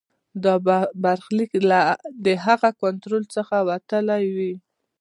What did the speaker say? دا برخلیک د هغه له کنټرول څخه وتلی وي.